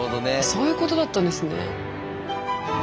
そういうことだったんですね。